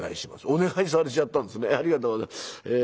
「お願いされちゃったんですね。ありがとうございます。